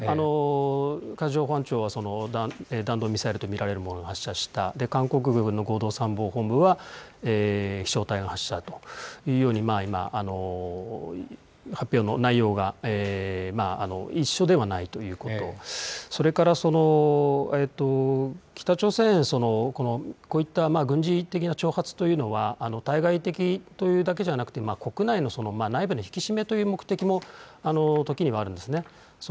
海上保安庁は弾道ミサイルと見られるものを発射した韓国軍の合同参謀本部は飛しょう体の発射というように今、発表の内容が一緒ではないということ、それから、北朝鮮、こういった軍事的挑発というのは対外的というだけではなく国内の内部の引き締めという目的も時にはあるんです。